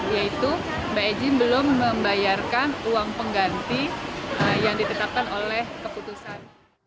yaitu mbak ejin belum membayarkan uang pengganti yang ditetapkan oleh keputusan